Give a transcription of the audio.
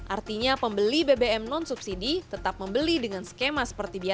artinya pembeli bbm non subsidi tetap membeli dengan skema seperti biasa